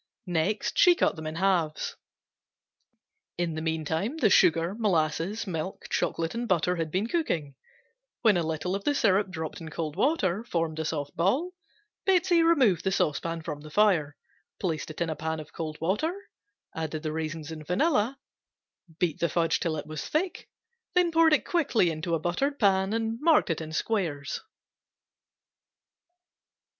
Next she cut them in halves. In the meantime the sugar, molasses, milk, chocolate and butter had been cooking; when a little of the syrup dropped in cold water formed a soft ball, Betsey removed the saucepan from the fire, placed it in a pan of cold water, added the raisins and vanilla, beat the fudge till it was thick, then poured quickly into a buttered pan and marked in squares.